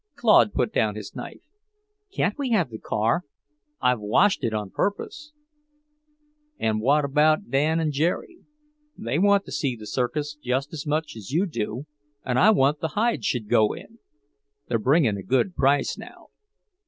Claude put down his knife. "Can't we have the car? I've washed it on purpose." "And what about Dan and Jerry? They want to see the circus just as much as you do, and I want the hides should go in; they're bringing a good price now.